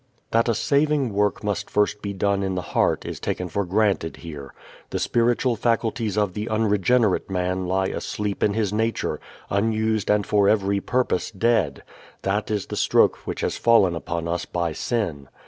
That a saving work must first be done in the heart is taken for granted here. The spiritual faculties of the unregenerate man lie asleep in his nature, unused and for every purpose dead; that is the stroke which has fallen upon us by sin.